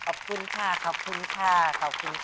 ขอบคุณค่ะขอบคุณค่ะขอบคุณค่ะ